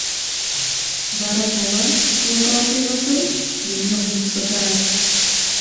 — Вара молан логалтен отыл? — веҥым сотарат.